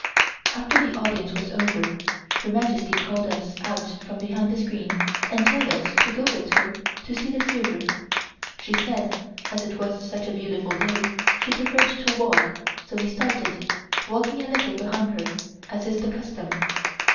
After the Audience was over, Her Majesty called us out from behind the screen and told us to go with her to see the theatre. She said, as it was such a beautiful day, she preferred to walk, so we started, walking a little behind her, as is the custom.